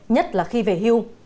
nhất là khi về hưu